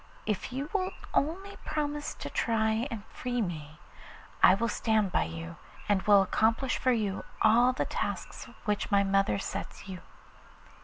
If you will only promise to try and free me I will stand by you, and will accomplish for you all the tasks which my mother sets you.